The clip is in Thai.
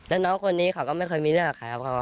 แล้วน้องคนนี้เขาก็ไม่เคยมีเรื่องพูดแห่งเขา